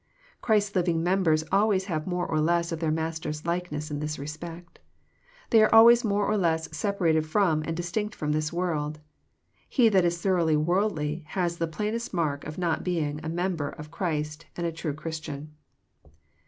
Christ's living members always have more or less of their Master's likeness in this respect. They are always more or less separated fVom and distinct from this world. He that is thoroughly worldly has the plainest mark of not being a member of Christ and a true Christian.